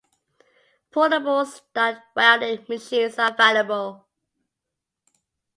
Portable stud welding machines are available.